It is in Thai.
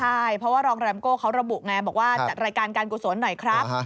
ใช่เพราะว่ารองแรมโก้เขาระบุไงบอกว่าจัดรายการการกุศลหน่อยครับ